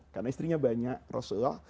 karena istrinya banyak rasulullah